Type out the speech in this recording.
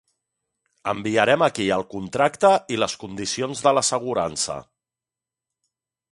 Enviarem aquí el contracte i les condicions de l'assegurança.